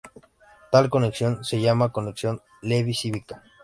Tal conexión se llama conexión de Levi-Civita.